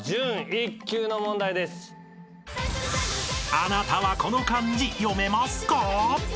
［あなたはこの漢字読めますか？］